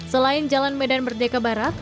selain jalan medan merdeka barat